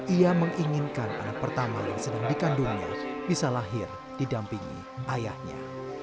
ia menginginkan anak pertama yang sedang dikandungnya bisa lahir didampingi ayahnya